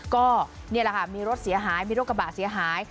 ก็นี่แหละค่ะมีรถเสียหายมีรถกระบะเสียหาย